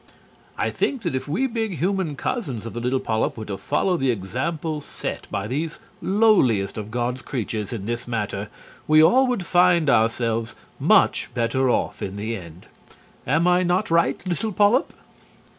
I think that if we big human cousins of the little polyp were to follow the example set by these lowliest of God's creatures in this matter, we all would find, ourselves much better off in the end. Am I not right, little polyp?